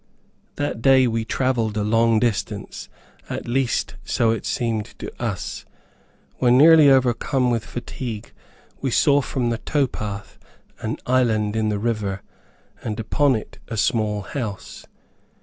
That day we traveled a long distance, at least, so it seemed to us. When nearly overcome with fatigue, we saw from the tow path an island in the river, and upon it a small house.